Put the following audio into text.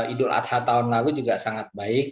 idul adha tahun lalu juga sangat baik